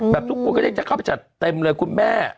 แบบทุกก็จะเข้าไปหังจัดเต็มเลยคุณแม่